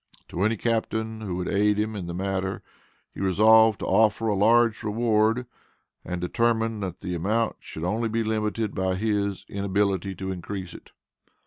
To any captain who would aid him in the matter, he resolved to offer a large reward, and determined that the amount should only be limited by his inability to increase it.